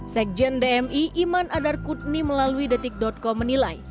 sekjen dmi iman adarkutni melalui detik com menilai